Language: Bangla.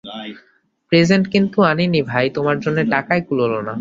প্রেজেন্ট কিন্তু আনিনি ভাই তোমার জন্যে, টাকায় কুলোল না।